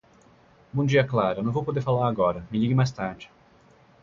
Bom dia Clara, não vou poder falar agora, me ligue mais tarde.